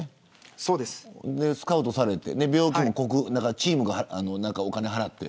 それでスカウトされて病気もチームがお金払って。